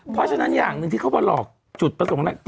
เพราะฉะนั้นอย่างหนึ่งที่เขามาหลอกจุดประสงค์